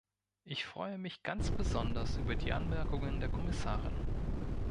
Ich freue mich ganz besonders über die Anmerkungen der Kommissarin.